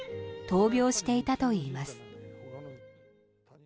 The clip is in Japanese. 闘病していたといいます。